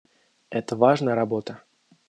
Это важная работа.